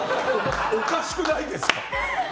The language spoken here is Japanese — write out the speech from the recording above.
おかしくないですか？